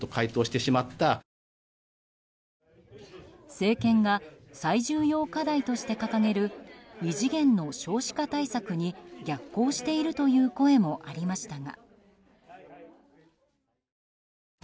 政権が最重要課題として掲げる異次元の少子化対策に逆行しているという声もありましたが。